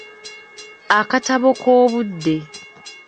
Akatabo k'obudde.